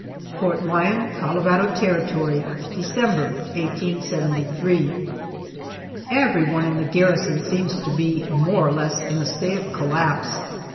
FORT LYON, COLORADO TERRITORY, December, 1873. EVERYONE in the garrison seems to be more or less in a state of collapse!